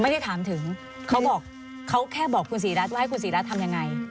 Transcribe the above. ไม่ได้ถามถึงเขาบอกเขาแค่บอกคุณศรีรัฐว่าให้คุณศรีรัฐทำยังไง